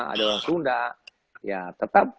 ada orang sunda ya tetap